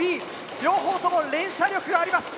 両方とも連射力があります。